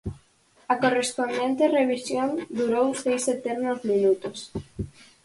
A correspondente revisión durou seis eternos minutos.